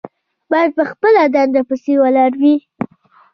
باید په خپله دنده پسې ولاړ وي.